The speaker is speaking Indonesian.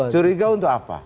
curiga untuk apa